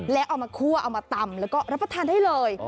แล้วเอามาคั่วเอามาตำแล้วก็รับประทานได้เลย